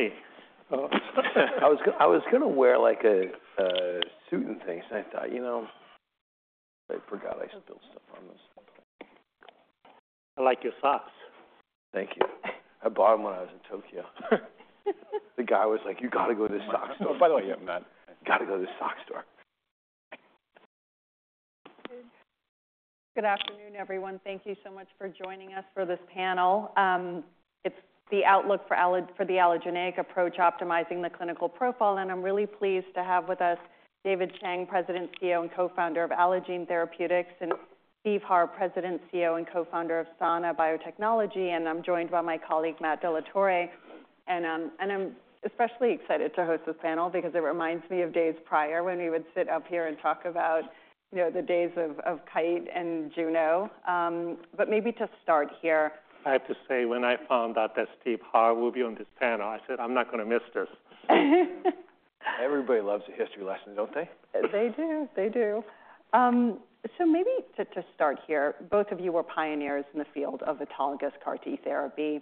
...Really? I was going to wear, like, a suit and things, and I thought, you know, I forgot I spilled stuff on this. I like your socks. Thank you. I bought them when I was in Tokyo. The guy was like: "You got to go to this sock store." By the way, you have not. "You got to go to this sock store. Good afternoon, everyone. Thank you so much for joining us for this panel. It's the outlook for the allogeneic approach, optimizing the clinical profile, and I'm really pleased to have with us David Chang, President, CEO, and Co-founder of Allogene Therapeutics, and Steve Harr, President, CEO, and Co-founder of Sana Biotechnology, and I'm joined by my colleague, Matt DeLaTorre. And I'm especially excited to host this panel because it reminds me of days prior when we would sit up here and talk about, you know, the days of Kite and Juno. But maybe to start here- I have to say, when I found out that Steve Harr will be on this panel, I said, "I'm not going to miss this. Everybody loves a history lesson, don't they? They do. They do. So maybe to start here, both of you were pioneers in the field of autologous CAR T therapy,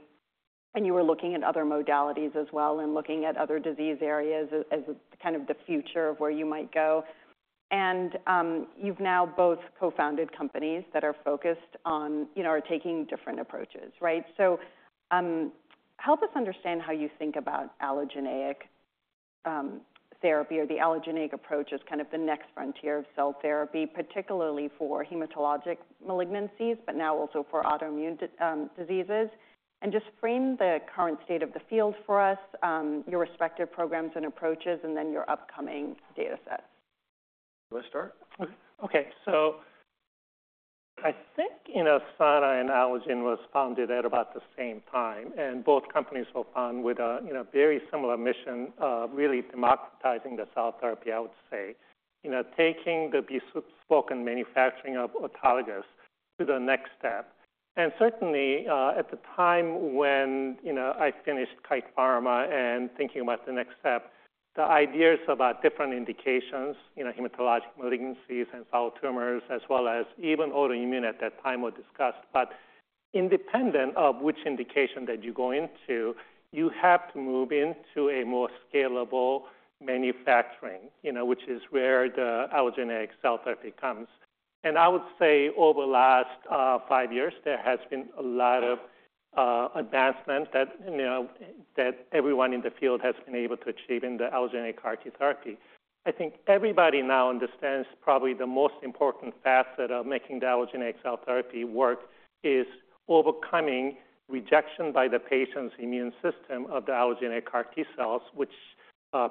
and you were looking at other modalities as well and looking at other disease areas as kind of the future of where you might go. And you've now both co-founded companies that are focused on, you know, are taking different approaches, right? So help us understand how you think about allogeneic therapy or the allogeneic approach as kind of the next frontier of cell therapy, particularly for hematologic malignancies, but now also for autoimmune diseases. And just frame the current state of the field for us, your respective programs and approaches, and then your upcoming data sets. You want to start? Okay, so I think, you know, Sana and Allogene were founded at about the same time, and both companies were founded with a, you know, very similar mission, really democratizing the cell therapy, I would say. You know, taking the bespoke and manufacturing of autologous to the next step. And certainly, at the time when, you know, I finished Kite Pharma and thinking about the next step, the ideas about different indications, you know, hematologic malignancies and solid tumors, as well as even autoimmune at that time, were discussed. But independent of which indication that you go into, you have to move into a more scalable manufacturing, you know, which is where the allogeneic cell therapy comes. And I would say over the last five years, there has been a lot of advancement that, you know, that everyone in the field has been able to achieve in the allogeneic CAR T therapy. I think everybody now understands probably the most important facet of making the allogeneic cell therapy work is overcoming rejection by the patient's immune system of the allogeneic CAR T cells, which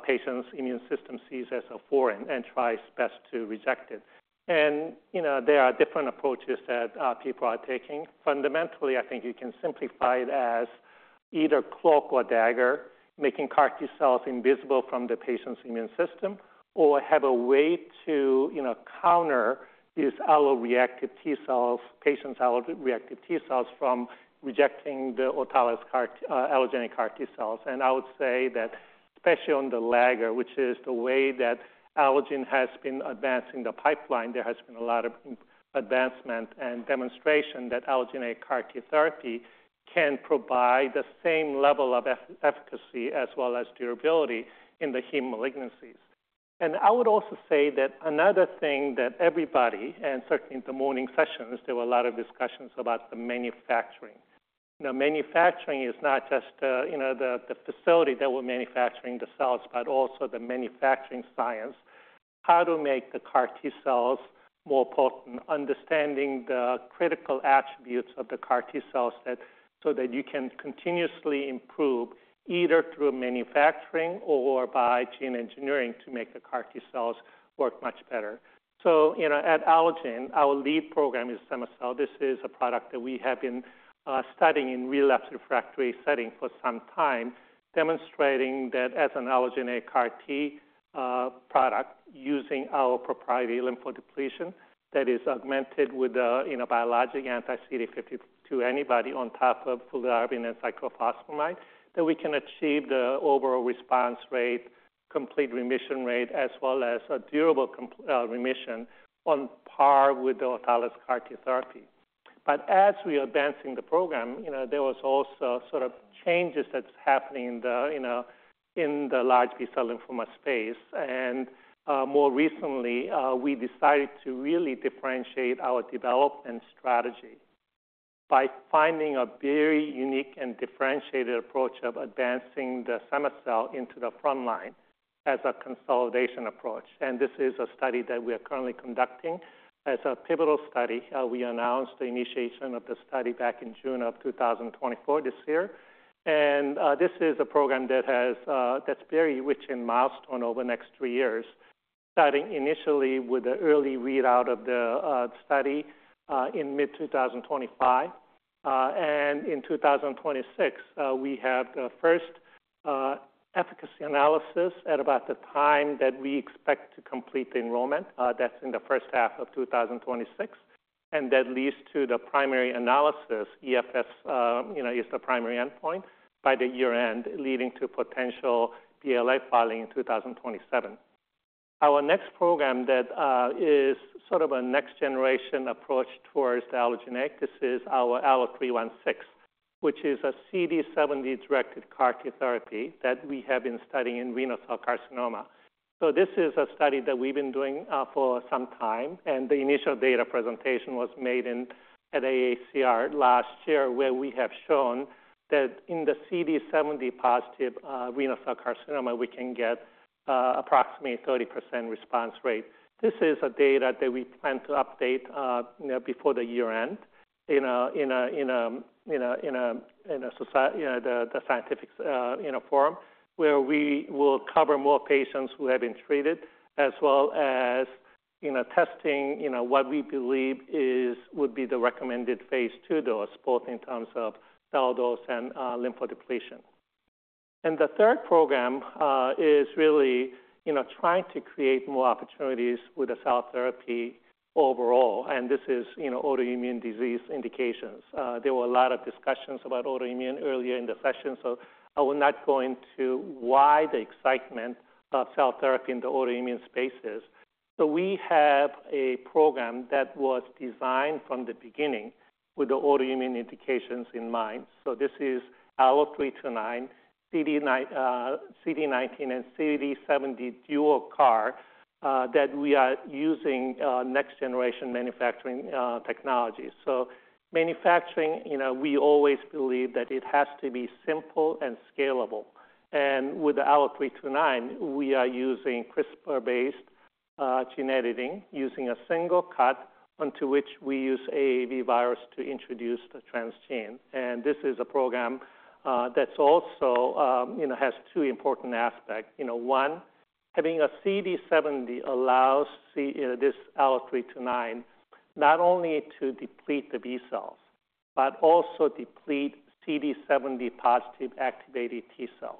patient's immune system sees as a foreign and tries best to reject it. And, you know, there are different approaches that people are taking. Fundamentally, I think you can simplify it as either cloak or dagger, making CAR T cells invisible from the patient's immune system, or have a way to, you know, counter these alloreactive T cells, patient's alloreactive T cells, from rejecting the autologous CAR T... allogeneic CAR T cells. And I would say that, especially on the larger, which is the way that Allogene has been advancing the pipeline, there has been a lot of advancement and demonstration that allogeneic CAR T therapy can provide the same level of efficacy as well as durability in the heme malignancies. And I would also say that another thing that everybody, and certainly in the morning sessions, there were a lot of discussions about the manufacturing. Now, manufacturing is not just, you know, the facility that we're manufacturing the cells, but also the manufacturing science. How to make the CAR T cells more potent, understanding the critical attributes of the CAR T cells that, so that you can continuously improve, either through manufacturing or by gene engineering, to make the CAR T cells work much better. So, you know, at Allogene, our lead program is cema-cel. This is a product that we have been studying in relapsed refractory setting for some time, demonstrating that as an allogeneic CAR T product, using our proprietary lymphodepletion that is augmented with a, you know, biologic anti-CD52 antibody on top of fludarabine and cyclophosphamide, that we can achieve the overall response rate, complete remission rate, as well as a durable complete remission on par with the autologous CAR T therapy. But as we are advancing the program, you know, there was also sort of changes that's happening in the, you know, in the large B-cell lymphoma space. And more recently, we decided to really differentiate our development strategy by finding a very unique and differentiated approach of advancing the cema-cel into the frontline as a consolidation approach. And this is a study that we are currently conducting as a pivotal study. We announced the initiation of the study back in June of twenty twenty-four, this year. This is a program that's very rich in milestone over the next three years, starting initially with the early readout of the study in mid-two thousand twenty-five. And in two thousand twenty-six, we have the first efficacy analysis at about the time that we expect to complete the enrollment. That's in the first half of two thousand twenty-six, and that leads to the primary analysis. EFS, you know, is the primary endpoint by the year-end, leading to potential BLA filing in two thousand twenty-seven.... Our next program that is sort of a next generation approach towards allogeneic. This is our ALLO-316, which is a CD70-directed CAR T therapy that we have been studying in renal cell carcinoma. So this is a study that we've been doing for some time, and the initial data presentation was made at AACR last year, where we have shown that in the CD70 positive renal cell carcinoma, we can get approximately 30% response rate. This is data that we plan to update, you know, before the year end, in a scientific forum, where we will cover more patients who have been treated as well as, you know, testing, you know, what we believe is would be the recommended phase II dose, both in terms of cell dose and lymphodepletion. And the third program is really, you know, trying to create more opportunities with the cell therapy overall, and this is, you know, autoimmune disease indications. There were a lot of discussions about autoimmune earlier in the session, so I will not go into why the excitement about cell therapy in the autoimmune space is. So we have a program that was designed from the beginning with the autoimmune indications in mind. So this is our ALLO-329, CD19 and CD70 dual CAR that we are using next generation manufacturing technologies. So manufacturing, you know, we always believe that it has to be simple and scalable. And with the ALLO-329, we are using CRISPR-based gene editing, using a single cut onto which we use AAV virus to introduce the transgene. And this is a program that's also, you know, has two important aspects. You know, one, having a CD70 allows C... This ALLO-329 not only to deplete the B cells, but also deplete CD70-positive activated T cells.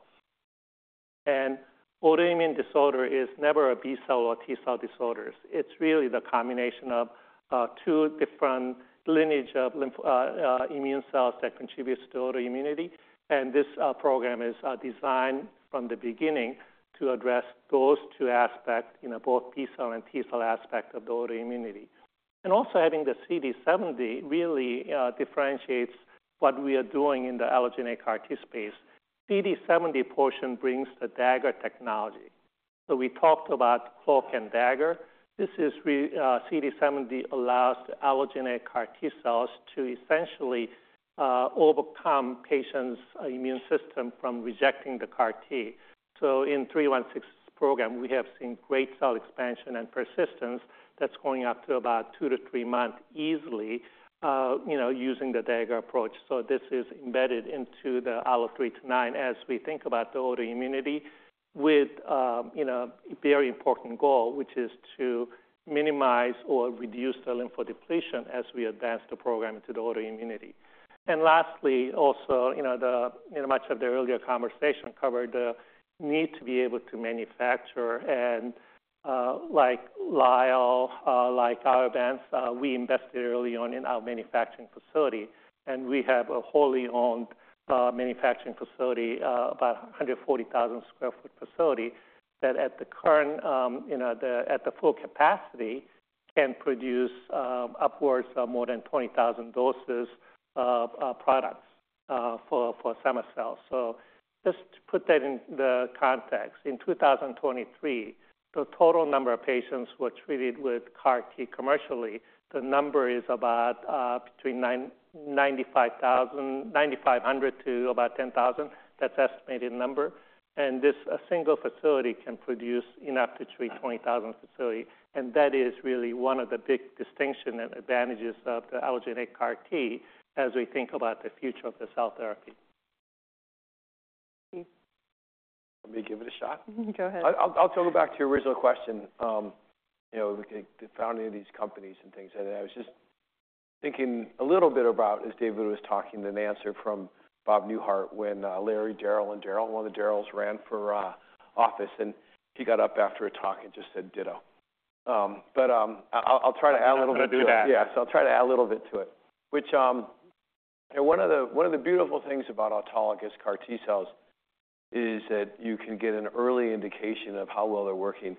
And autoimmune disorder is never a B cell or T cell disorders. It's really the combination of two different lineage of lymphoid immune cells that contributes to autoimmunity, and this program is designed from the beginning to address those two aspects, you know, both B cell and T cell aspect of the autoimmunity. And also, I think the CD70 really differentiates what we are doing in the allogeneic CAR T space. CD70 portion brings the dagger technology. So we talked about cloak and dagger. This is the CD70 allows the allogeneic CAR T cells to essentially overcome patient's immune system from rejecting the CAR T. So in ALLO-316 program, we have seen great cell expansion and persistence that's going up to about two to three months easily, you know, using the dagger approach. So this is embedded into the ALLO-329, as we think about the autoimmunity with, you know, a very important goal, which is to minimize or reduce the lymphodepletion as we advance the program to the autoimmunity. Lastly, also, you know, in much of the earlier conversation covered the need to be able to manufacture and, like Lyell, like our advance, we invested early on in our manufacturing facility, and we have a wholly owned manufacturing facility, about a 140,000 sq ft facility, that at the current, you know, at the full capacity, can produce upwards of more than 20,000 doses of products for cema-cel. So just to put that in the context, in 2023, the total number of patients were treated with CAR T commercially. The number is about between 9,500-10,000. That's estimated number. This, a single facility, can produce enough to treat 20,000 patients, and that is really one of the big distinctions and advantages of the allogeneic CAR T as we think about the future of the cell therapy. Let me give it a shot. Go ahead. I'll go back to your original question, you know, the founding of these companies and things, and I was just thinking a little bit about, as David was talking, an answer from Bob Newhart when Larry, Daryl, and Daryl, one of the Daryl's ran for office, and he got up after a talk and just said: Ditto. But I'll try to add a little bit to it. Do that. Yeah, so I'll try to add a little bit to it. Which one of the beautiful things about autologous CAR T cells is that you can get an early indication of how well they're working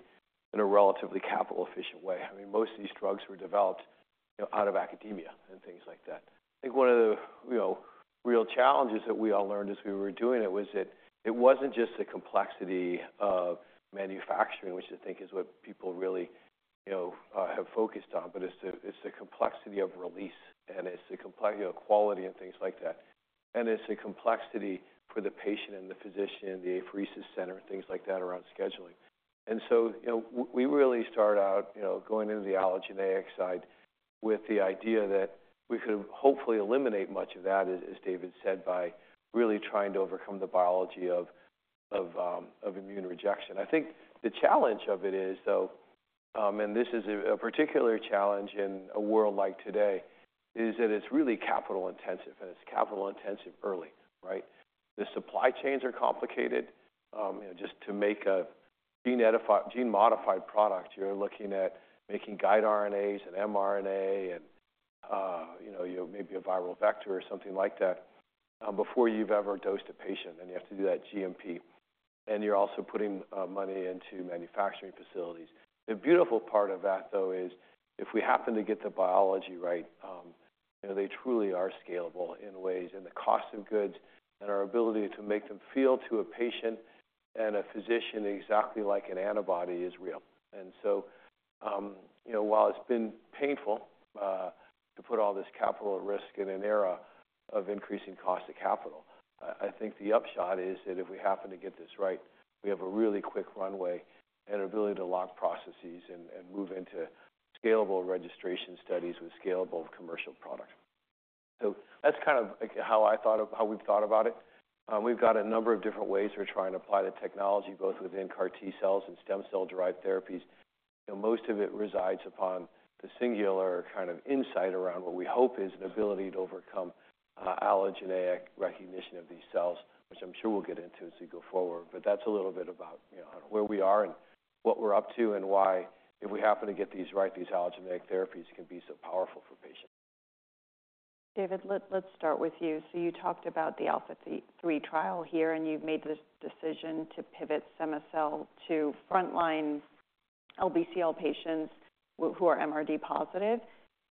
in a relatively capital-efficient way. I mean, most of these drugs were developed, you know, out of academia and things like that. I think one of the, you know, real challenges that we all learned as we were doing it was that it wasn't just the complexity of manufacturing, which I think is what people really, you know, have focused on, but it's the complexity of release, and it's the complexity of quality and things like that, and it's the complexity for the patient and the physician, the apheresis center, and things like that around scheduling. And so, you know, we really start out, you know, going into the allogeneic side with the idea that we could hopefully eliminate much of that, as David said, by really trying to overcome the biology of immune rejection. I think the challenge of it is, though, and this is a particular challenge in a world like today, is that it's really capital intensive, and it's capital intensive early, right? The supply chains are complicated. You know, just to make a gene-modified product, you're looking at making guide RNAs and mRNA and you know, maybe a viral vector or something like that, before you've ever dosed a patient, and you have to do that GMP, and you're also putting money into manufacturing facilities. The beautiful part of that, though, is if we happen to get the biology right, you know, they truly are scalable in ways, and the cost of goods and our ability to make them feel to a patient and a physician exactly like an antibody is real. So, you know, while it's been painful to put all this capital at risk in an era of increasing cost of capital, I think the upshot is that if we happen to get this right, we have a really quick runway and ability to lock processes and move into scalable registration studies with scalable commercial products. That's kind of like how we've thought about it. We've got a number of different ways we're trying to apply the technology, both within CAR T cells and stem cell-derived therapies, and most of it resides upon the singular kind of insight around what we hope is an ability to overcome allogeneic recognition of these cells, which I'm sure we'll get into as we go forward. But that's a little bit about, you know, where we are and what we're up to and why, if we happen to get these right, these allogeneic therapies can be so powerful for patients. David, let's start with you. So you talked about the ALPHA3 trial here, and you've made the decision to pivot cema-cel to frontline LBCL patients who are MRD positive.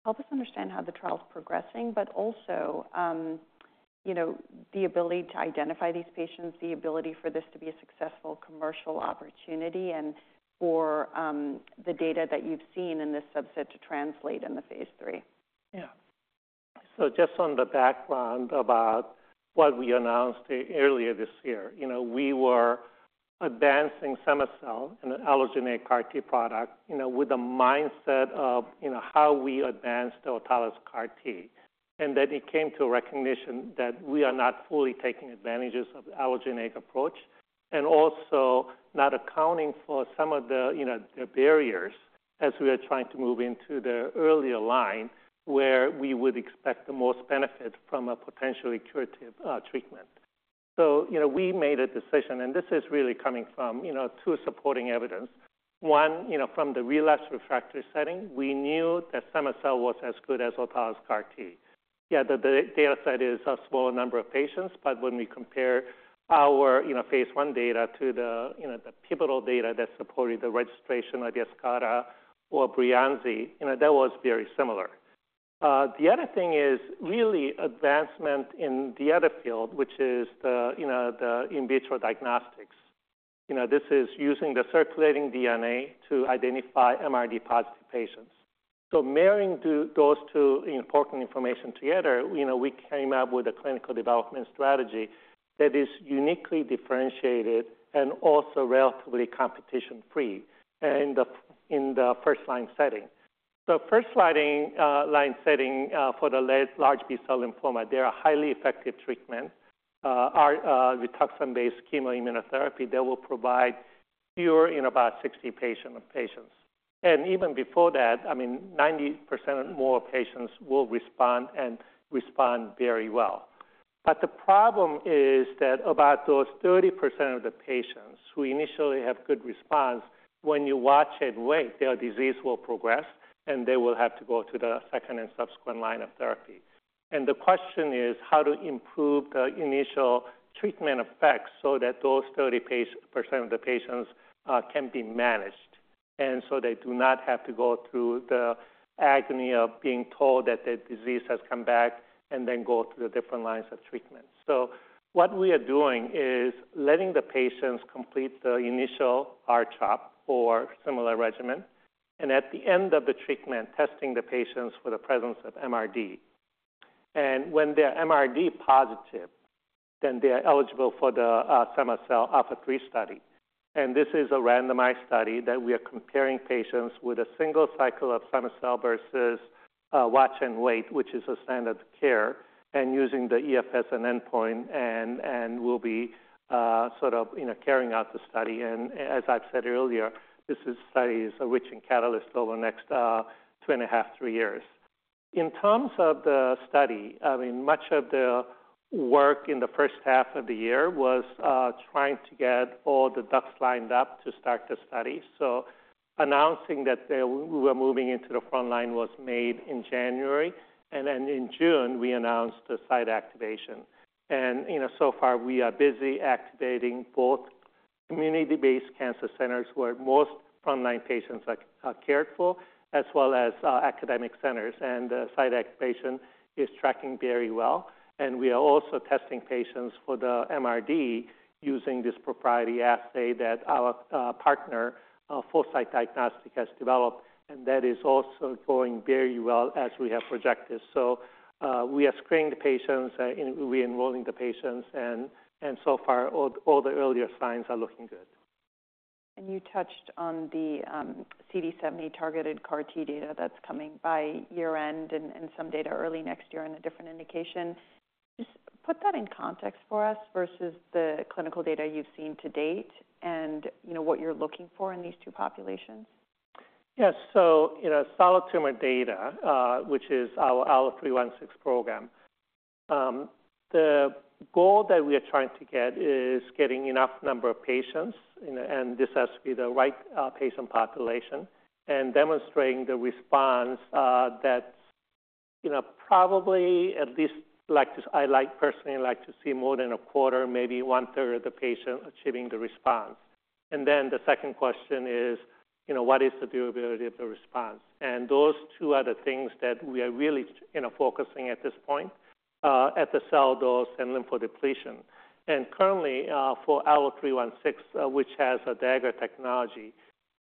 Help us understand how the trial is progressing, but also, you know, the ability to identify these patients, the ability for this to be a successful commercial opportunity, and for the data that you've seen in this subset to translate in the phase III. Yeah. So just on the background about what we announced earlier this year, you know, we were advancing cema-cel in an allogeneic CAR T product, you know, with the mindset of, you know, how we advanced the autologous CAR T. And then it came to a recognition that we are not fully taking advantages of the allogeneic approach, and also not accounting for some of the, you know, the barriers as we are trying to move into the earlier line, where we would expect the most benefit from a potentially curative treatment. So, you know, we made a decision, and this is really coming from, you know, two supporting evidence. One, you know, from the relapsed refractory setting, we knew that cema-cel was as good as autologous CAR T. Yeah, the data set is a small number of patients, but when we compare our, you know, phase I data to the, you know, the pivotal data that supported the registration of Yescarta or Breyanzi, you know, that was very similar. The other thing is really advancement in the other field, which is the, you know, the in vitro diagnostics. You know, this is using the circulating DNA to identify MRD-positive patients. So marrying those two important information together, you know, we came up with a clinical development strategy that is uniquely differentiated and also relatively competition-free, and up in the first-line setting. So first-line setting for the large B-cell lymphoma, they are highly effective treatment. Our Rituximab-based chemoimmunotherapy, they will provide cure in about 60% of patients. Even before that, I mean, 90% or more patients will respond and respond very well. The problem is that about those 30% of the patients who initially have good response, when you watch and wait, their disease will progress, and they will have to go to the second and subsequent line of therapy. The question is, how to improve the initial treatment effects so that those 30% of the patients can be managed, and so they do not have to go through the agony of being told that their disease has come back and then go through the different lines of treatment. What we are doing is letting the patients complete the initial R-CHOP or similar regimen, and at the end of the treatment, testing the patients for the presence of MRD. When they are MRD positive, then they are eligible for the cema-cel ALPHA3 study. This is a randomized study that we are comparing patients with a single cycle of cema-cel versus watch and wait, which is a standard care, and using the EFS and endpoint, and we'll be sort of, you know, carrying out the study. As I've said earlier, this is studies reaching catalyst over the next two and a half, three years. In terms of the study, I mean, much of the work in the first half of the year was trying to get all the ducks lined up to start the study. So announcing that we were moving into the frontline was made in January, and then in June, we announced the site activation. You know, so far we are busy activating both community-based cancer centers, where most frontline patients are cared for, as well as academic centers. The site activation is tracking very well, and we are also testing patients for the MRD using this proprietary assay that our partner, Foresight Diagnostics, has developed, and that is also going very well as we have projected. We are screening the patients, and we're enrolling the patients, and so far all the earlier signs are looking good. And you touched on the CD70-targeted CAR T data that's coming by year-end and some data early next year in a different indication. Just put that in context for us versus the clinical data you've seen to date and, you know, what you're looking for in these two populations. Yes. So, you know, solid tumor data, which is our ALLO-316 program. The goal that we are trying to get is getting enough number of patients, and, and this has to be the right, patient population, and demonstrating the response, that, you know, probably at least like to-- I like, personally like to see more than a quarter, maybe one-third of the patient achieving the response. And then the second question is, you know, what is the durability of the response? And those two are the things that we are really, you know, focusing at this point, at the cell dose and lymphodepletion. And currently, for ALLO-316, which has a Dagger technology,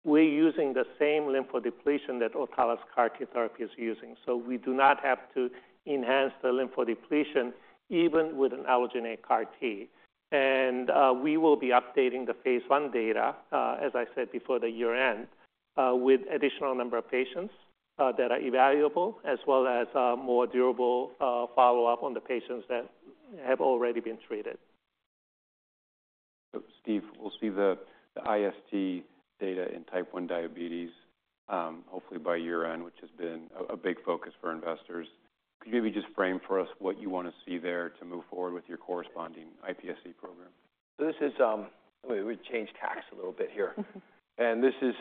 we're using the same lymphodepletion that autologous CAR T therapy is using. So we do not have to enhance the lymphodepletion, even with an allogeneic CAR T. We will be updating the phase 1 data, as I said before, by year-end, with additional number of patients that are evaluable, as well as more durable follow-up on the patients that have already been treated. So Steve, we'll see the IST data in type 1 diabetes, hopefully by year-end, which has been a big focus for investors. Could you maybe just frame for us what you want to see there to move forward with your corresponding iPSC program? So this is. We've changed tacks a little bit here. And this is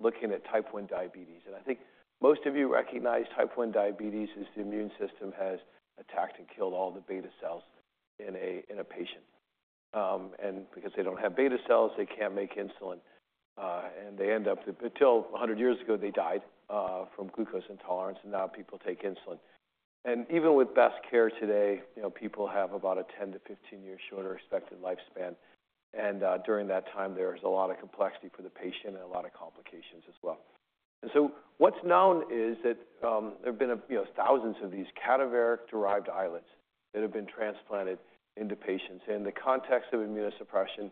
looking at Type 1 diabetes, and I think most of you recognize Type 1 diabetes as the immune system has attacked and killed all the beta cells in a patient. And because they don't have beta cells, they can't make insulin, and they end up until 100 years ago, they died from glucose intolerance, and now people take insulin. And even with best care today, you know, people have about a 10-15-year shorter expected lifespan. And during that time, there's a lot of complexity for the patient and a lot of complications as well. And so what's known is that there have been, you know, thousands of these cadaveric-derived islets that have been transplanted into patients. In the context of immunosuppression,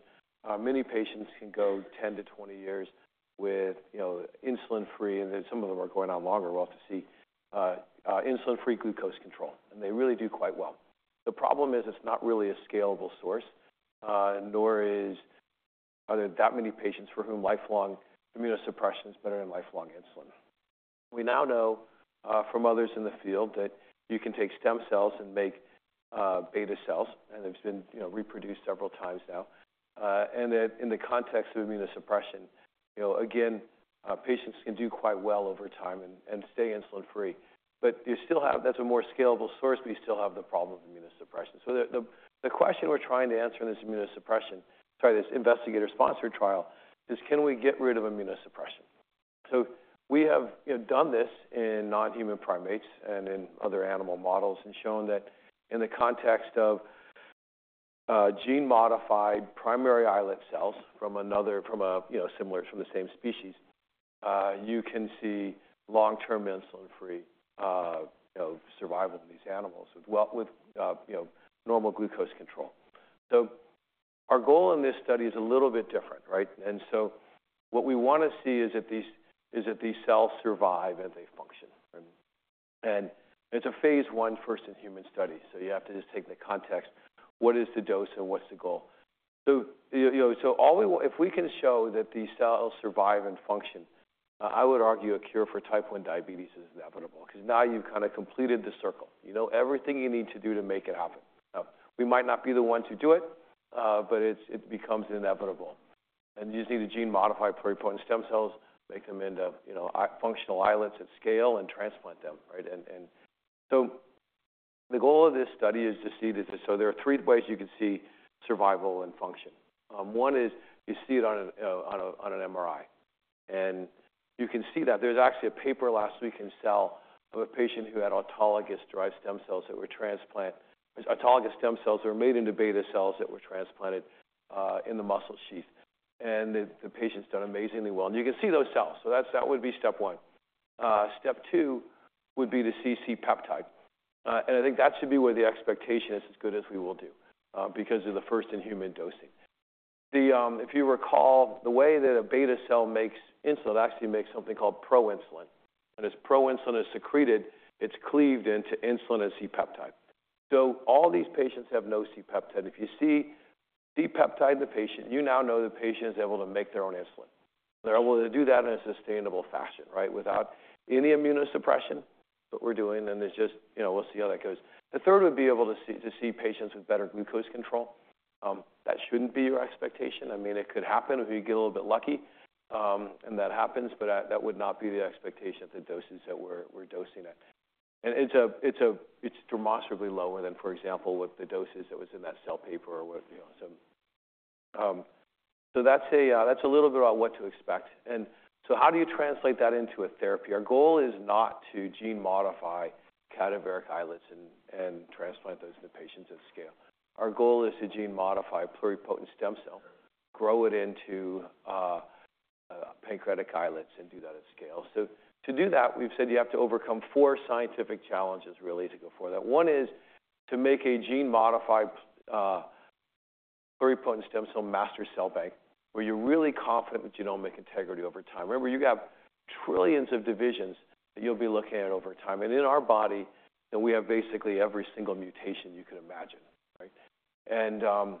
many patients can go 10 to 20 years with, you know, insulin free, and then some of them are going on longer. We'll have to see, insulin-free glucose control, and they really do quite well. The problem is it's not really a scalable source, nor are there that many patients for whom lifelong immunosuppression is better than lifelong insulin. We now know, from others in the field that you can take stem cells and make, beta cells, and it's been, you know, reproduced several times now. And that in the context of immunosuppression, you know, again, patients can do quite well over time and stay insulin free. But you still have... That's a more scalable source, but you still have the problem of immunosuppression. So the question we're trying to answer in this immunosuppression, sorry, this investigator-sponsored trial, is: Can we get rid of immunosuppression? So we have, you know, done this in non-human primates and in other animal models and shown that in the context of gene-modified primary islet cells from another, from a, you know, similar from the same species, you can see long-term insulin free, you know, survival in these animals with well, with, you know, normal glucose control. So our goal in this study is a little bit different, right? And so what we wanna see is that these, is that these cells survive, and they function. And it's a phase I first-in-human study, so you have to just take the context, what is the dose and what's the goal? So, you know, so all we want, if we can show that these cells survive and function, I would argue a cure for type one diabetes is inevitable because now you've kind of completed the circle. You know everything you need to do to make it happen. We might not be the one to do it, but it becomes inevitable. And using the gene-modified pluripotent stem cells, make them into, you know, functional islets at scale and transplant them, right? And so the goal of this study is to see this. So there are three ways you can see survival and function. One is you see it on an MRI, and you can see that. There's actually a paper last week in Cell of a patient who had autologous-derived stem cells that were transplant... Autologous stem cells that were made into beta cells that were transplanted in the muscle sheath. And the patient's done amazingly well, and you can see those cells. So that would be step one. Step two would be the C-peptide. And I think that should be where the expectation is as good as we will do, because of the first-in-human dosing. If you recall, the way that a beta cell makes insulin, it actually makes something called proinsulin. And as proinsulin is secreted, it's cleaved into insulin and C-peptide. So all these patients have no C-peptide. If you see C-peptide in the patient, you now know the patient is able to make their own insulin. They're able to do that in a sustainable fashion, right? Without any immunosuppression that we're doing, and it's just, you know, we'll see how that goes. The third would be able to see patients with better glucose control. That shouldn't be your expectation. I mean, it could happen if you get a little bit lucky, and that happens, but that would not be the expectation of the doses that we're dosing at. And it's a. It's demonstrably lower than, for example, with the doses that was in that Cell paper or with, you know, some. So that's a little bit about what to expect. And so how do you translate that into a therapy? Our goal is not to gene modify cadaveric islets and transplant those to patients at scale. Our goal is to gene modify a pluripotent stem cell, grow it into a pancreatic islets, and do that at scale. So to do that, we've said you have to overcome four scientific challenges, really, to go for that. One is to make a gene-modified pluripotent stem cell master cell bank, where you're really confident with genomic integrity over time. Remember, you have trillions of divisions that you'll be looking at over time, and in our body, and we have basically every single mutation you could imagine, right? And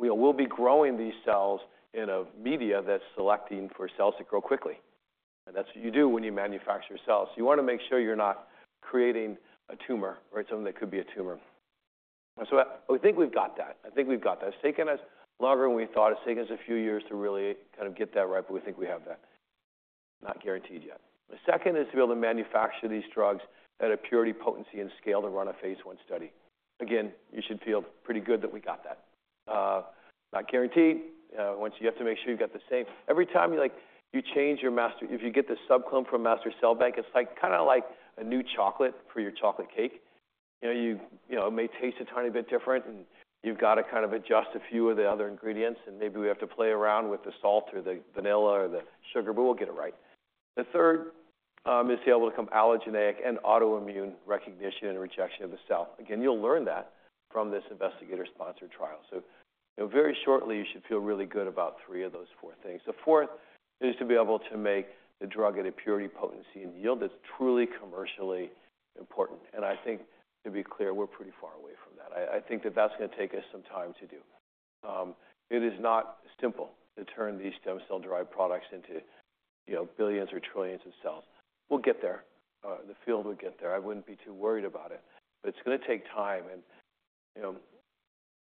we will be growing these cells in a media that's selecting for cells to grow quickly, and that's what you do when you manufacture cells. You want to make sure you're not creating a tumor or something that could be a tumor. And so I, we think we've got that. I think we've got that. It's taken us longer than we thought. It's taken us a few years to really kind of get that right, but we think we have that. Not guaranteed yet. The second is to be able to manufacture these drugs at a purity, potency, and scale to run a phase I study. Again, you should feel pretty good that we got that. Not guaranteed. Once you have to make sure you've got the same every time you like, you change your master, if you get the subclone from a master cell bank, it's like, kind of like a new chocolate for your chocolate cake. You know, it may taste a tiny bit different, and you've got to kind of adjust a few of the other ingredients, and maybe we have to play around with the salt or the vanilla or the sugar, but we'll get it right. The third is to be able to overcome allogeneic and autoimmune recognition and rejection of the cell. Again, you'll learn that from this investigator-sponsored trial. So, you know, very shortly, you should feel really good about three of those four things. The fourth is to be able to make the drug at a purity, potency, and yield that's truly commercially important. And I think, to be clear, we're pretty far away from that. I think that that's gonna take us some time to do. It is not simple to turn these stem cell-derived products into, you know, billions or trillions of cells. We'll get there. The field will get there. I wouldn't be too worried about it, but it's gonna take time. You know,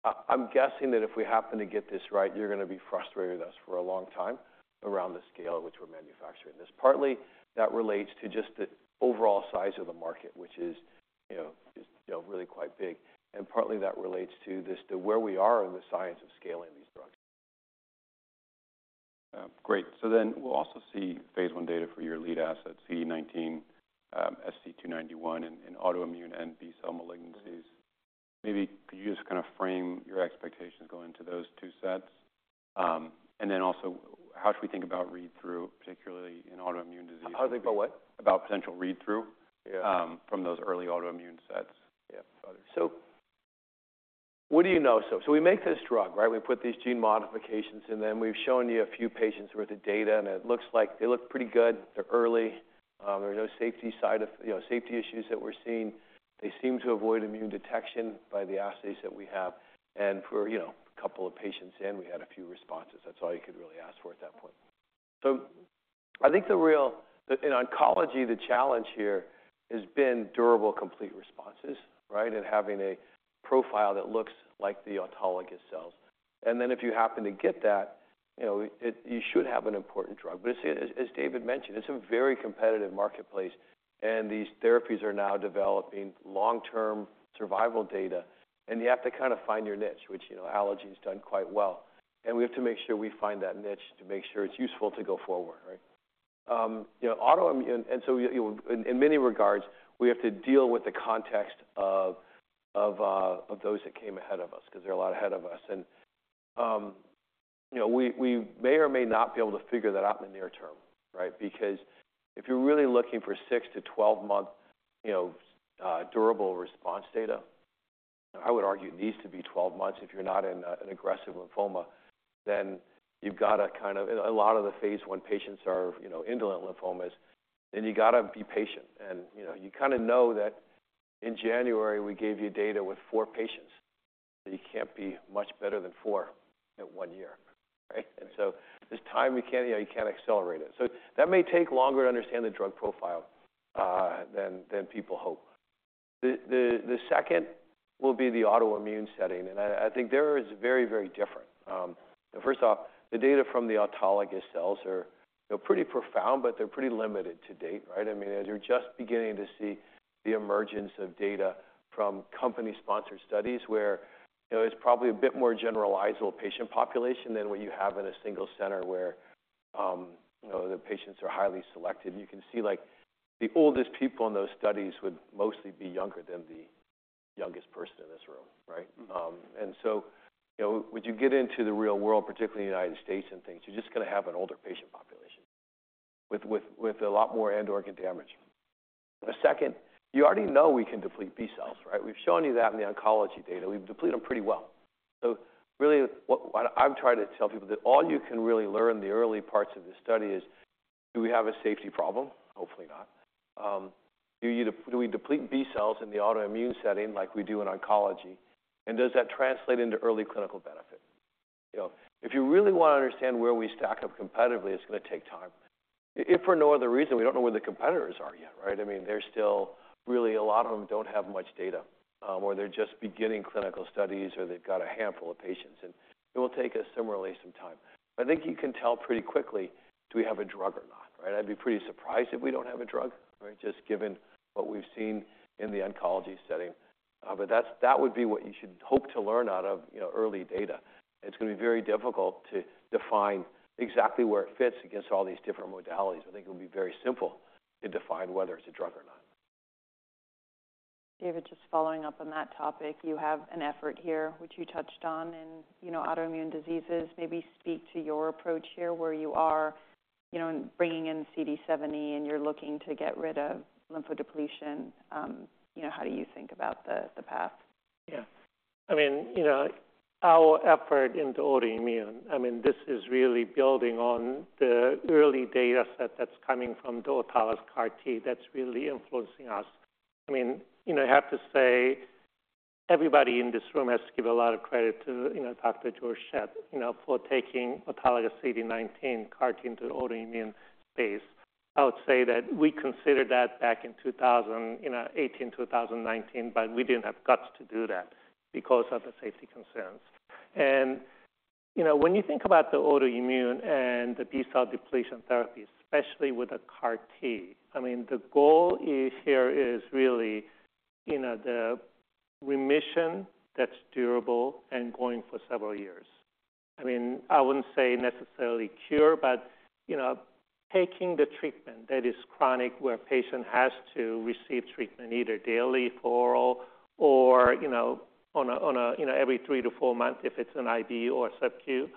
I, I'm guessing that if we happen to get this right, you're gonna be frustrated with us for a long time around the scale at which we're manufacturing this. Partly, that relates to just the overall size of the market, which is, you know, really quite big, and partly that relates to this to where we are in the science of scaling these drugs. Great. So then we'll also see phase I data for your lead asset, CD19, SC291 in autoimmune and B-cell malignancies. Maybe could you just kind of frame your expectations going into those two sets? And then also, how should we think about read-through, particularly in autoimmune diseases? How think about what? About potential read-through- Yeah. from those early autoimmune sets. Yeah. So what do you know? So we make this drug, right? We put these gene modifications in them. We've shown you a few patients worth of data, and it looks like they look pretty good. They're early. There are no safety issues that we're seeing. They seem to avoid immune detection by the assays that we have, and for, you know, a couple of patients in, we had a few responses. That's all you could really ask for at that point. So I think the real, in oncology, the challenge here has been durable, complete responses, right? And having a profile that looks like the autologous cells. And then if you happen to get that, you know, it you should have an important drug. As David mentioned, it's a very competitive marketplace, and these therapies are now developing long-term survival data, and you have to kind of find your niche, which, you know, Allogene has done quite well. And we have to make sure we find that niche to make sure it's useful to go forward, right? You know, autoimmune, and so in many regards, we have to deal with the context of those that came ahead of us because they're a lot ahead of us. You know, we may or may not be able to figure that out in the near term, right? Because if you're really looking for six- to 12-month, you know, durable response data, I would argue it needs to be 12 months. If you're not in an aggressive lymphoma, then you've got to kind of... A lot of the phase I patients are, you know, indolent lymphomas, then you got to be patient. You know, you kind of know that in January, we gave you data with four patients, and you can't be much better than four at one year, right? So this time, you can't, you know, you can't accelerate it. So that may take longer to understand the drug profile than people hope. The second will be the autoimmune setting, and I think there is very, very different. First off, the data from the autologous cells are, you know, pretty profound, but they're pretty limited to date, right? I mean, as you're just beginning to see the emergence of data from company-sponsored studies where, you know, it's probably a bit more generalizable patient population than what you have in a single center where, you know, the patients are highly selected. You can see, like, the oldest people in those studies would mostly be younger than the youngest person in this room, right? Mm-hmm. And so, you know, once you get into the real world, particularly in the United States and things, you're just gonna have an older patient population with a lot more end organ damage. The second, you already know we can deplete B cells, right? We've shown you that in the oncology data. We've depleted them pretty well. So really, what I'm trying to tell people that all you can really learn in the early parts of this study is: Do we have a safety problem? Hopefully not. Do we deplete B cells in the autoimmune setting like we do in oncology, and does that translate into early clinical benefit? You know, if you really want to understand where we stack up competitively, it's gonna take time. If for no other reason, we don't know where the competitors are yet, right? I mean, they're still... Really, a lot of them don't have much data, or they're just beginning clinical studies, or they've got a handful of patients, and it will take us similarly some time. I think you can tell pretty quickly, do we have a drug or not, right? I'd be pretty surprised if we don't have a drug, right? Just given what we've seen in the oncology setting. But that's what you should hope to learn out of, you know, early data. It's gonna be very difficult to define exactly where it fits against all these different modalities. I think it would be very simple to define whether it's a drug or not. David, just following up on that topic, you have an effort here, which you touched on in, you know, autoimmune diseases. Maybe speak to your approach here, where you are, you know, bringing in CD70, and you're looking to get rid of lymphodepletion. You know, how do you think about the path? Yeah. I mean, you know, our effort into autoimmune, I mean, this is really building on the early data set that's coming from the autologous CAR T that's really influencing us. I mean, you know, I have to say, everybody in this room has to give a lot of credit to, you know, Dr. Georg Schett, you know, for taking autologous CD19 CAR T into the autoimmune space. I would say that we considered that back in 2018, 2019, but we didn't have guts to do that because of the safety concerns. And, you know, when you think about the autoimmune and the B cell depletion therapy, especially with a CAR T, I mean, the goal is here is really, you know, the remission that's durable and going for several years. I mean, I wouldn't say necessarily cure, but, you know, taking the treatment that is chronic, where a patient has to receive treatment either daily for all or, you know, on a, on a, you know, every three to four months, if it's an IV or subQ,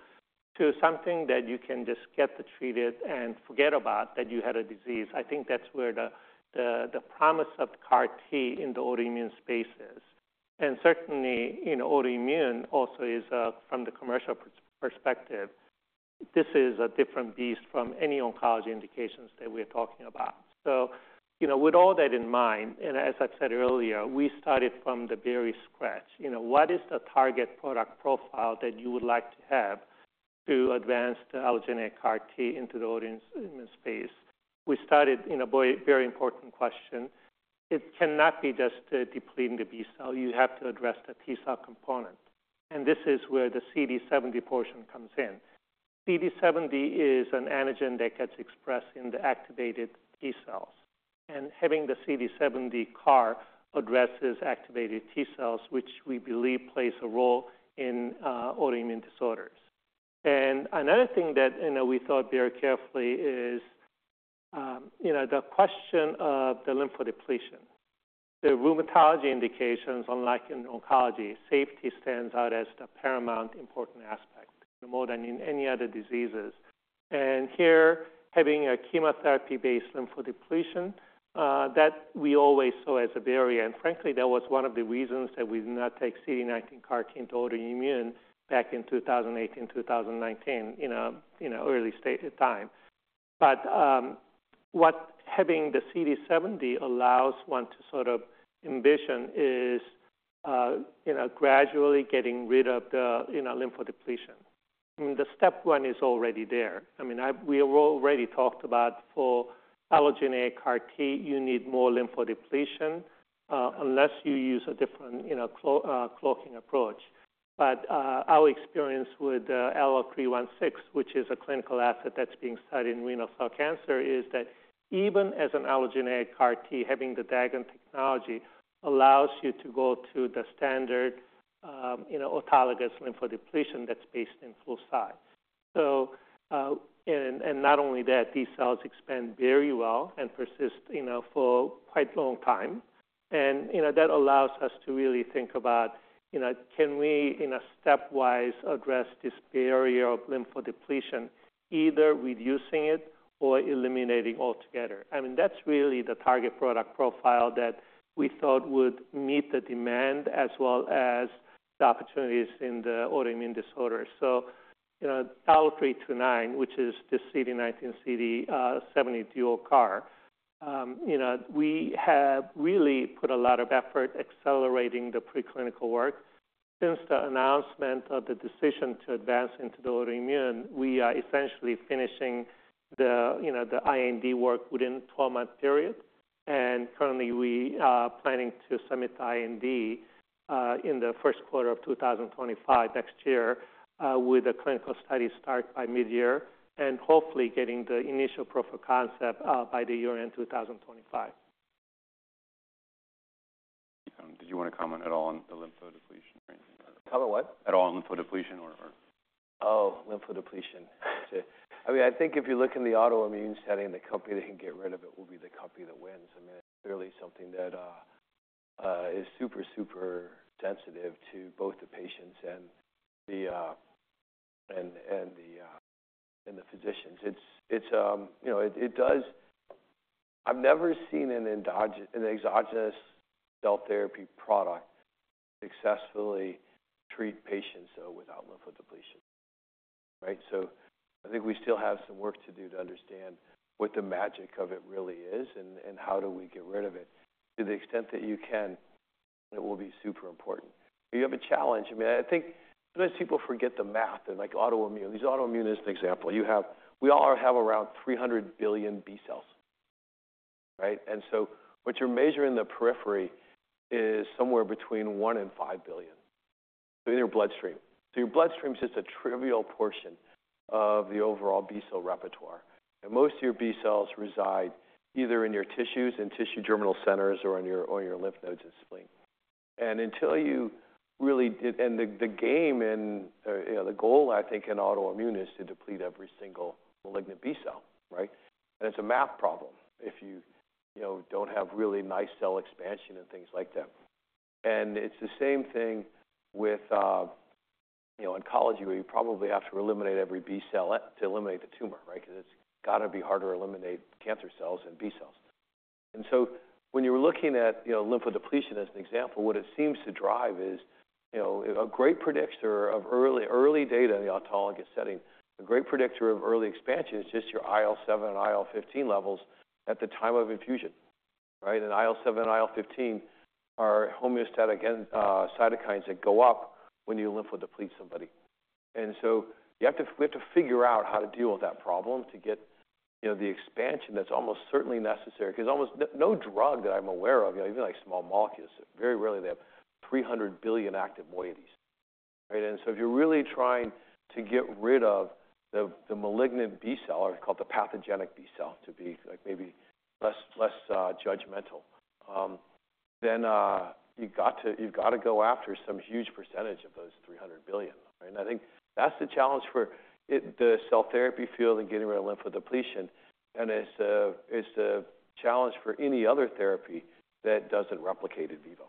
to something that you can just get treated and forget about that you had a disease. I think that's where the promise of CAR T in the autoimmune space is, and certainly, in autoimmune also is, from the commercial perspective, this is a different beast from any oncology indications that we're talking about, so you know, with all that in mind, and as I said earlier, we started from scratch. You know, what is the target product profile that you would like to have to advance the allogeneic CAR T into the autoimmune space? We started in a very, very important question. It cannot be just, depleting the B cell, you have to address the T cell component, and this is where the CD70 portion comes in. CD70 is an antigen that gets expressed in the activated T cells, and having the CD70 CAR addresses activated T cells, which we believe plays a role in autoimmune disorders. And another thing that, you know, we thought very carefully is, you know, the question of the lymphodepletion. The rheumatology indications, unlike in oncology, safety stands out as the paramount important aspect, more than in any other diseases. And here, having a chemotherapy-based lymphodepletion, that we always saw as a barrier. Frankly, that was one of the reasons that we did not take CD19 CAR T into autoimmune back in 2018, 2019, in an early state of time. But what having the CD70 allows one to sort of envision is, you know, gradually getting rid of the, you know, lymphodepletion. I mean, the step one is already there. I mean, we already talked about for allogeneic CAR T, you need more lymphodepletion, unless you use a different, you know, cloaking approach. But our experience with ALLO-316, which is a clinical asset that's being studied in renal cell cancer, is that even as an allogeneic CAR T, having the Dagger technology allows you to go to the standard, you know, autologous lymphodepletion that's based on flu-cy. So, and not only that, these cells expand very well and persist, you know, for quite a long time. And, you know, that allows us to really think about, you know, can we in a stepwise address this barrier of lymphodepletion, either reducing it or eliminating altogether? I mean, that's really the target product profile that we thought would meet the demand as well as the opportunities in the autoimmune disorder. So, you know, ALLO-329, which is the CD19, CD70 dual CAR. You know, we have really put a lot of effort accelerating the preclinical work. Since the announcement of the decision to advance into the autoimmune, we are essentially finishing the, you know, the IND work within a twelve-month period, and currently we are planning to submit the IND in the Q1 of two thousand and twenty-five, next year, with a clinical study start by mid-year, and hopefully getting the initial proof of concept by the year-end two thousand and twenty-five. Did you want to comment at all on the lymphodepletion or anything? Tell me what? At all on lymphodepletion or? Oh, lymphodepletion. I mean, I think if you look in the autoimmune setting, the company that can get rid of it will be the company that wins. I mean, it's really something that is super, super sensitive to both the patients and the physicians. It's, you know, it does. I've never seen an exogenous cell therapy product successfully treat patients though, without lymphodepletion, right? So I think we still have some work to do to understand what the magic of it really is and how do we get rid of it. To the extent that you can, it will be super important. You have a challenge. I mean, I think sometimes people forget the math and like autoimmune. Use autoimmune as an example. We all have around three hundred billion B cells, right? And so what you measure in the periphery is somewhere between one and five billion in your bloodstream. So your bloodstream is just a trivial portion of the overall B cell repertoire. And most of your B cells reside either in your tissues, in tissue germinal centers, or in your lymph nodes and spleen. You know, the goal, I think, in autoimmune is to deplete every single malignant B cell, right? And it's a math problem if you, you know, don't have really nice cell expansion and things like that. And it's the same thing with, you know, oncology, where you probably have to eliminate every B cell to eliminate the tumor, right? Because it's gotta be hard to eliminate cancer cells and B cells. And so when you're looking at, you know, lymphodepletion as an example, what it seems to drive is, you know, a great predictor of early, early data in the autologous setting. A great predictor of early expansion is just your IL-7 and IL-15 levels at the time of infusion.... right? And IL-7 and IL-15 are homeostatic and cytokines that go up when you lymphodeplete somebody. And so you have to, we have to figure out how to deal with that problem to get, you know, the expansion that's almost certainly necessary, because almost no drug that I'm aware of, you know, even like small molecules, very rarely they have 300 billion active moieties. Right, and so if you're really trying to get rid of the malignant B cell, or called the pathogenic B cell, to be, like, maybe less judgmental, then you've got to go after some huge percentage of those 300 billion. Right? And I think that's the challenge for the cell therapy field and getting rid of lymphodepletion. And it's a challenge for any other therapy that doesn't replicate in vivo.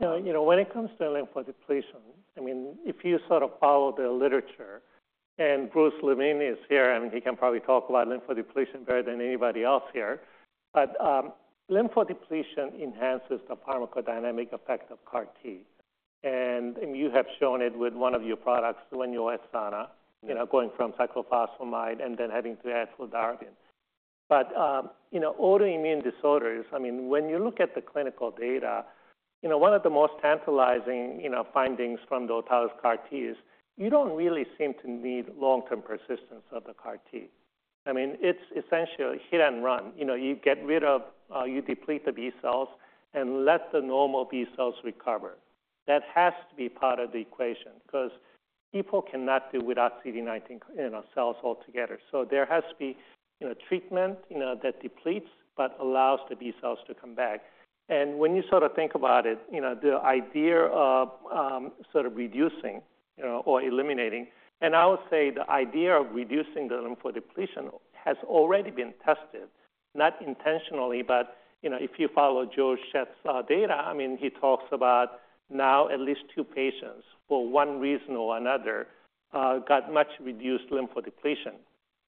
You know, when it comes to lymphodepletion, I mean, if you sort of follow the literature and Bruce Levine is here, I mean, he can probably talk about lymphodepletion better than anybody else here. But, lymphodepletion enhances the pharmacodynamic effect of CAR T, and you have shown it with one of your products when you're at Sana- Mm-hmm. You know, going from cyclophosphamide and then heading to fludarabine. But, you know, autoimmune disorders, I mean, when you look at the clinical data, you know, one of the most tantalizing, you know, findings from the autologous CAR T is you don't really seem to need long-term persistence of the CAR T. I mean, it's essentially hit and run. You know, you get rid of, you deplete the B cells and let the normal B cells recover. That has to be part of the equation because people cannot do without CD19 in our cells altogether. So there has to be, you know, treatment, you know, that depletes but allows the B cells to come back. And when you sort of think about it, you know, the idea of, sort of reducing, you know, or eliminating... And I would say the idea of reducing the lymphodepletion has already been tested. Not intentionally, but, you know, if you follow Georg Schett's data, I mean, he talks about now at least two patients, for one reason or another, got much reduced lymphodepletion.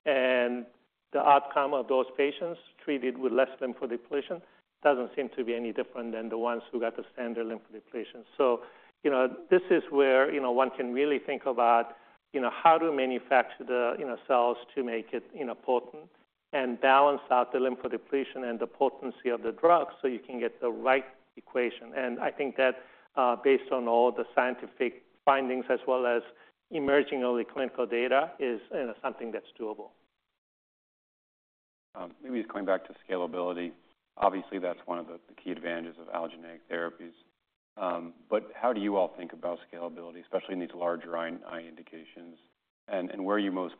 And the outcome of those patients treated with less lymphodepletion doesn't seem to be any different than the ones who got the standard lymphodepletion. So, you know, this is where, you know, one can really think about, you know, how to manufacture the, you know, cells to make it, you know, potent and balance out the lymphodepletion and the potency of the drug so you can get the right equation. And I think that, based on all the scientific findings as well as emerging early clinical data, is, you know, something that's doable. Maybe it's going back to scalability. Obviously, that's one of the key advantages of allogeneic therapies. But how do you all think about scalability, especially in these larger I&I indications? And where are you most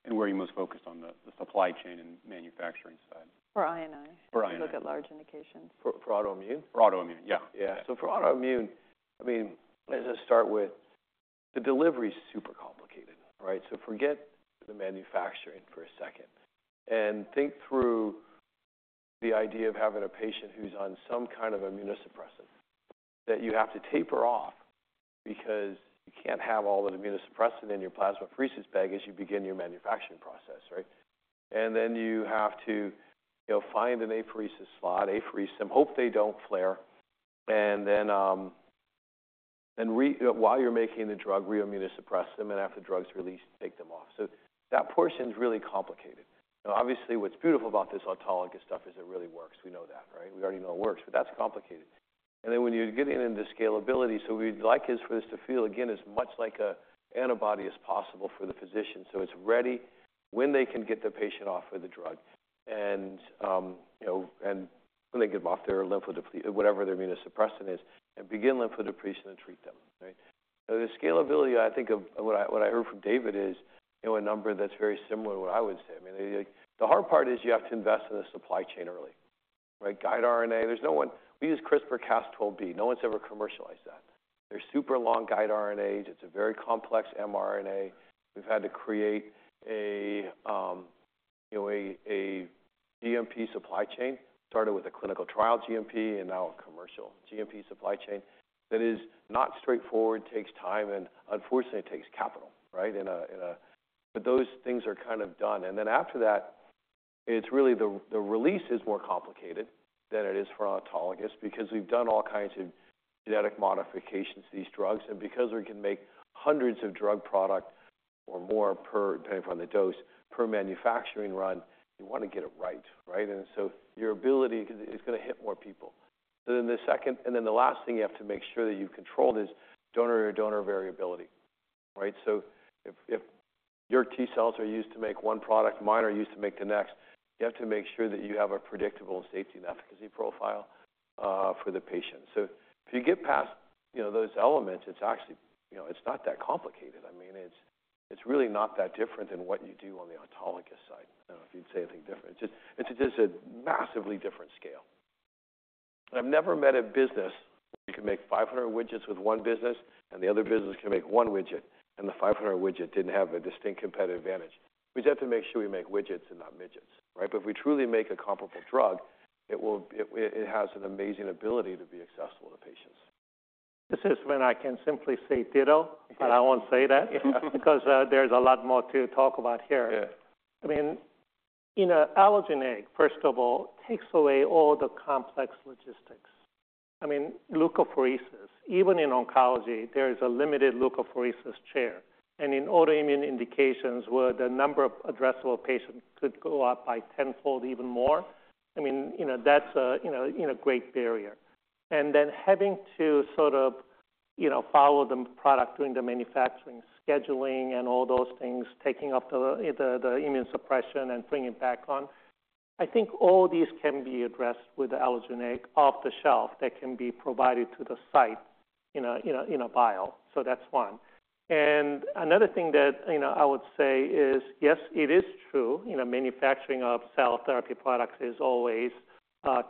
focused on the supply chain or manufacturing side? Say again what? Where are you most focused on the supply chain and manufacturing side? For I&I- For I&I. Look at large indications. For autoimmune? For autoimmune, yeah. Yeah. So for autoimmune, I mean, let's just start with the delivery is super complicated, right? So forget the manufacturing for a second and think through the idea of having a patient who's on some kind of immunosuppressant that you have to taper off because you can't have all that immunosuppressant in your plasmapheresis bag as you begin your manufacturing process, right? And then you have to, you know, find an apheresis slot and hope they don't flare, and then while you're making the drug, re-immunosuppress them, and after the drug's released, take them off. So that portion is really complicated. Now, obviously, what's beautiful about this autologous stuff is it really works. We know that, right? We already know it works, but that's complicated. And then when you're getting into scalability, so we'd like is for this to feel, again, as much like a antibody as possible for the physician. So it's ready when they can get the patient off of the drug and, you know, and when they get them off their lymphodepletion, whatever their immunosuppressant is, and begin lymphodepletion to treat them, right? The scalability, I think, of what I heard from David is, you know, a number that's very similar to what I would say. I mean, the hard part is you have to invest in the supply chain early, right? Guide RNA, there's no one. We use CRISPR-Cas12b. No one's ever commercialized that. There's super long guide RNAs. It's a very complex mRNA. We've had to create a, you know, a GMP supply chain, started with a clinical trial GMP and now a commercial GMP supply chain. That is not straightforward, takes time, and unfortunately, it takes capital, right? But those things are kind of done, and then after that, it's really the release is more complicated than it is for autologous because we've done all kinds of genetic modifications to these drugs, and because we can make hundreds of drug product or more per, depending upon the dose, per manufacturing run, you want to get it right, right? And so your ability, it's gonna hit more people. So then the second, and then the last thing you have to make sure that you control is donor or donor variability, right? So if your T cells are used to make one product, mine are used to make the next, you have to make sure that you have a predictable safety and efficacy profile for the patient. So if you get past, you know, those elements, it's actually, you know, it's not that complicated. I mean, it's really not that different than what you do on the autologous side. I don't know if you'd say anything different. It's just a massively different scale. I've never met a business where you can make 500 widgets with one business, and the other business can make one widget, and the 500 widget didn't have a distinct competitive advantage. We just have to make sure we make widgets and not midgets, right? But if we truly make a comparable drug, it has an amazing ability to be accessible to patients. This is when I can simply say ditto, but I won't say that because there's a lot more to talk about here. Yeah. I mean, an allogeneic, first of all, takes away all the complex logistics. I mean, leukapheresis, even in oncology, there is a limited leukapheresis chair, and in autoimmune indications, where the number of addressable patients could go up by tenfold, even more, I mean, you know, that's a, you know, great barrier. And then having to sort of, you know, follow the product during the manufacturing, scheduling, and all those things, taking up the immunosuppression and bring it back on. I think all these can be addressed with allogeneic off the shelf that can be provided to the site in a vial. So that's one. And another thing that, you know, I would say is, yes, it is true, you know, manufacturing of cell therapy products is always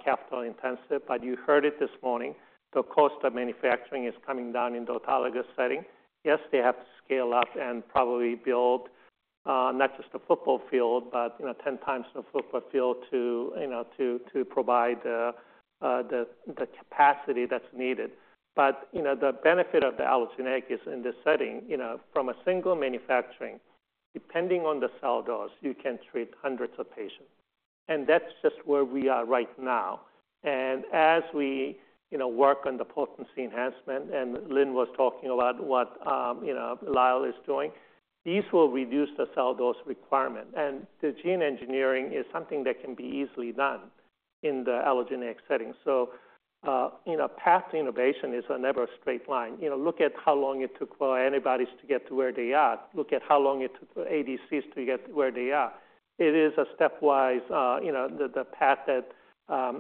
capital intensive, but you heard it this morning, the cost of manufacturing is coming down in the autologous setting. Yes, they have to scale up and probably build not just a football field, but, you know, ten times the football field to, you know, to provide the capacity that's needed. But, you know, the benefit of the allogeneic is in this setting, you know, from a single manufacturing, depending on the cell dose, you can treat hundreds of patients. And that's just where we are right now. And as we, you know, work on the potency enhancement, and Lynn was talking about what, you know, Lyell is doing, these will reduce the cell dose requirement, and the gene engineering is something that can be easily done in the allogeneic setting. So, you know, path to innovation is never a straight line. You know, look at how long it took for antibodies to get to where they are. Look at how long it took ADCs to get where they are. It is a stepwise, you know, the path that,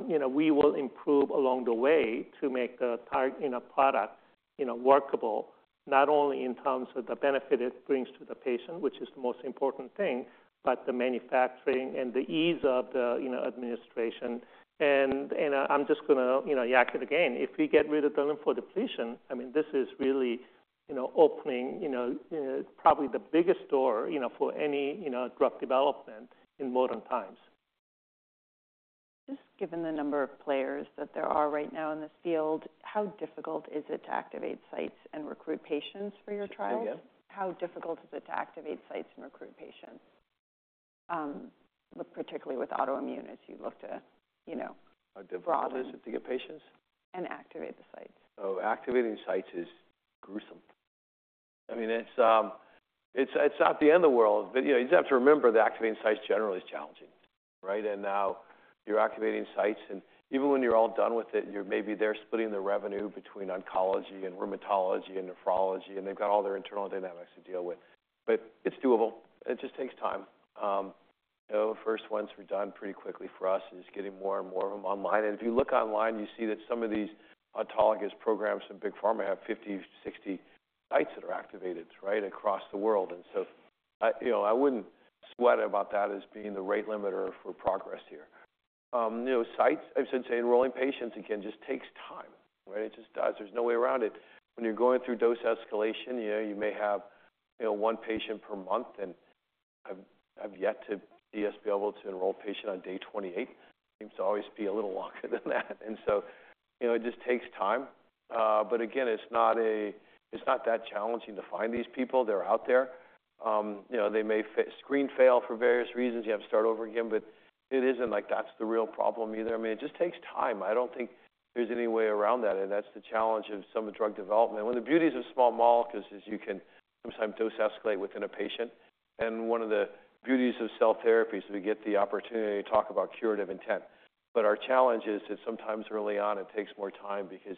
you know, we will improve along the way to make the target in a product, you know, workable, not only in terms of the benefit it brings to the patient, which is the most important thing, but the manufacturing and the ease of the, you know, administration. I'm just gonna, you know, yak it again. If we get rid of the lymphodepletion, I mean, this is really, you know, opening, you know, probably the biggest door, you know, for any, you know, drug development in modern times. Just given the number of players that there are right now in this field, how difficult is it to activate sites and recruit patients for your trials? Excuse me? How difficult is it to activate sites and recruit patients, particularly with autoimmune as you look to, you know- How difficult it is to get patients? Activate the sites. Oh, activating sites is gruesome. I mean, it's not the end of the world, but, you know, you'd have to remember that activating sites generally is challenging, right? And now you're activating sites, and even when you're all done with it, you're maybe there splitting the revenue between oncology and rheumatology and nephrology, and they've got all their internal dynamics to deal with, but it's doable. It just takes time. The first ones were done pretty quickly for us, and it's getting more and more of them online. And if you look online, you see that some of these autologous programs in big pharma have 50-60 sites that are activated, right, across the world. And so I... You know, I wouldn't sweat about that as being the rate limiter for progress here. You know, sites, I've said enrolling patients, again, just takes time, right? It just does. There's no way around it. When you're going through dose escalation, you know, you may have one patient per month, and I've yet to see us be able to enroll patient on day 28. Seems to always be a little longer than that, and so, you know, it just takes time. But again, it's not that challenging to find these people. They're out there. You know, they may screen fail for various reasons. You have to start over again, but it isn't like that's the real problem either. I mean, it just takes time. I don't think there's any way around that, and that's the challenge of some of the drug development. One of the beauties of small molecules is you can sometimes dose escalate within a patient, and one of the beauties of cell therapies, we get the opportunity to talk about curative intent. But our challenge is that sometimes early on, it takes more time because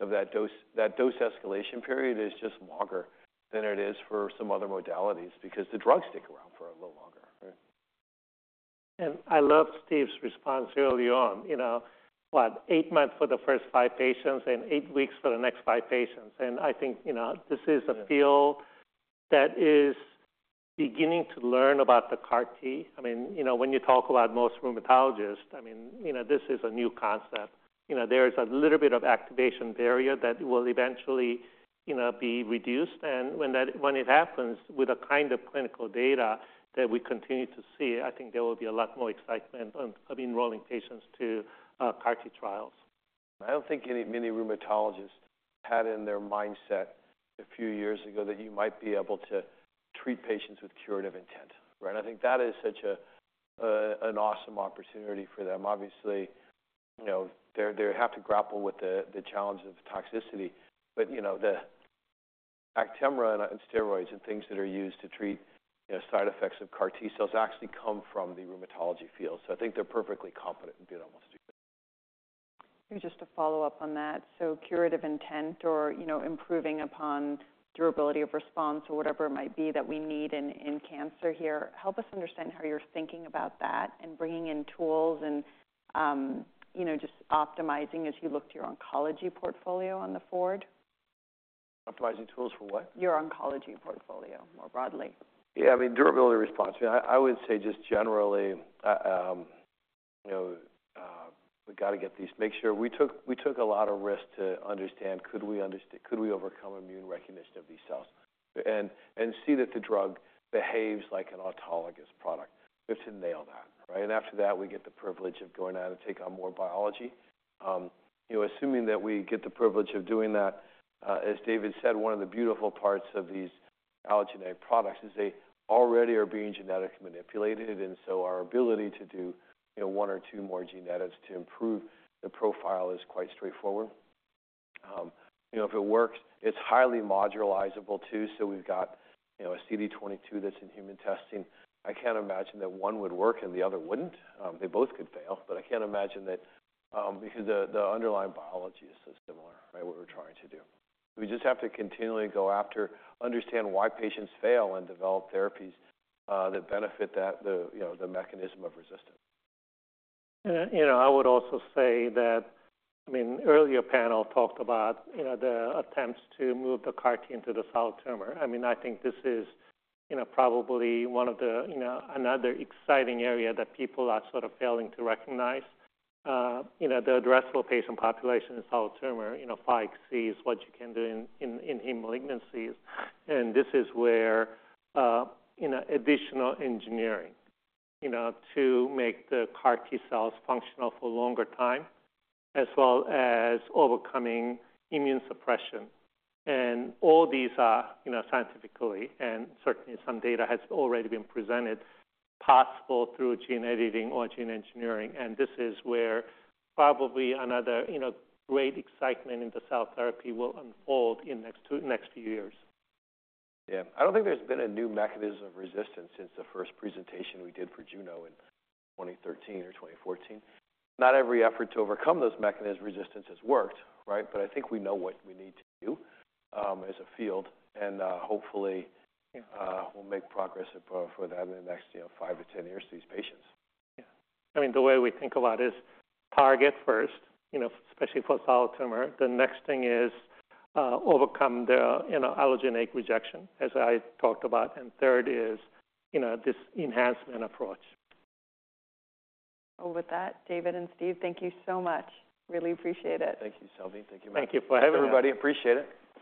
of that dose. That dose escalation period is just longer than it is for some other modalities because the drugs stick around for a little longer. I loved Steve's response early on, you know, what, eight months for the first five patients and eight weeks for the next five patients. I think, you know, this is a field that is beginning to learn about the CAR T. I mean, you know, when you talk about most rheumatologists, I mean, you know, this is a new concept. You know, there is a little bit of activation barrier that will eventually, you know, be reduced. When that happens with the kind of clinical data that we continue to see, I think there will be a lot more excitement on of enrolling patients to CAR T trials. I don't think many rheumatologists had in their mindset a few years ago that you might be able to treat patients with curative intent, right? I think that is such an awesome opportunity for them. Obviously, you know, they're they have to grapple with the challenge of toxicity, but, you know, the Actemra and steroids and things that are used to treat, you know, side effects of CAR T cells actually come from the rheumatology field. So I think they're perfectly competent in doing almost everything. Just to follow up on that, so curative intent or, you know, improving upon durability of response or whatever it might be that we need in cancer here, help us understand how you're thinking about that and bringing in tools and, you know, just optimizing as you look to your oncology portfolio on the forward. Optimizing tools for what? Your oncology portfolio, more broadly. Yeah, I mean, durability response. I would say just generally, you know, we've got to get these. Make sure we took a lot of risk to understand could we overcome immune recognition of these cells? And see that the drug behaves like an autologous product. We have to nail that, right? And after that, we get the privilege of going out and take on more biology. You know, assuming that we get the privilege of doing that, as David said, one of the beautiful parts of these allogeneic products is they already are being genetically manipulated, and so our ability to do, you know, one or two more genetics to improve the profile is quite straightforward. You know, if it works, it's highly modularizable too. So we've got, you know, a CD22 that's in human testing. I can't imagine that one would work and the other wouldn't. They both could fail, but I can't imagine that because the underlying biology is so similar, right, what we're trying to do. We just have to continually go after, understand why patients fail, and develop therapies that benefit the, you know, the mechanism of resistance. You know, I would also say that. I mean, earlier panel talked about, you know, the attempts to move the CAR T into the solid tumor. I mean, I think this is, you know, probably one of the, you know, another exciting area that people are sort of failing to recognize. You know, the addressable patient population in solid tumor, you know, far exceeds what you can do in malignancies. And this is where, you know, additional engineering, you know, to make the CAR T cells functional for longer time, as well as overcoming immune suppression. And all these are, you know, scientifically and certainly some data has already been presented, possible through gene editing or gene engineering. And this is where probably another, you know, great excitement in the cell therapy will unfold in next few years. Yeah. I don't think there's been a new mechanism of resistance since the first presentation we did for June in 2013 or 2014. Not every effort to overcome those mechanisms of resistance has worked, right? But I think we know what we need to do as a field, and hopefully we'll make progress for that in the next, you know, 5 to 10 years for these patients. Yeah. I mean, the way we think about is target first, you know, especially for solid tumor. The next thing is, overcome the, you know, allogeneic rejection, as I talked about. And third is, you know, this enhancement approach. With that, David and Steve, thank you so much. Really appreciate it. Thank you, Salveen. Thank you very much. Thank you for having us. Everybody, appreciate it.